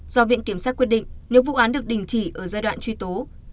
do viện kiểm sát quyết định nếu vụ án được đình chỉ ở giai đoạn truy tố